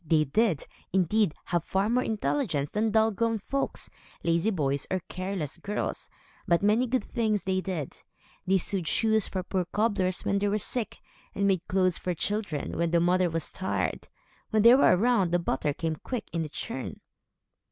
They did, indeed, have far more intelligence than dull grown folks, lazy boys, or careless girls; but many good things they did. They sewed shoes for poor cobblers, when they were sick, and made clothes for children, when the mother was tired. When they were around, the butter came quick in the churn.